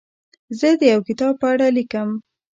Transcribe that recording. زه د یو کتاب په اړه لیکم.